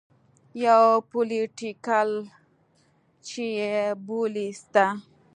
يو پوليټيکل چې يې بولي سته.